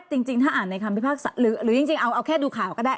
เพราะว่าจริงถ้าอ่านในคำพิพากศาสตร์หรือออกแค่ดูข่าวก็ได้